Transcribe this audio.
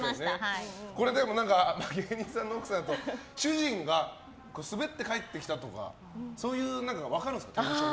でも、芸人さんの奥さんスベって帰ってきたとかそういうのって分かるんですか？